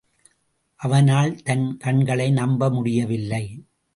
அவனால் தன் கண்களை நம்பமுடியவில்லை.